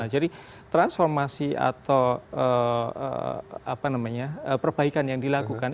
jadi transformasi atau perbaikan yang dilakukan